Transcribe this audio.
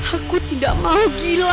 aku tidak mau gila